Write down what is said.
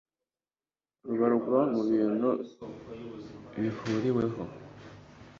rubarwa mu bintu bihuriweho